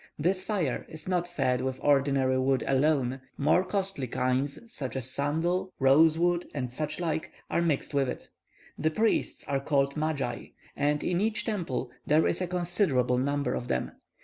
This fire is not fed with ordinary wood alone; more costly kinds, such as sandal, rose wood, and such like, are mixed with it. The priests are called magi, and in each temple there is a considerable number of them.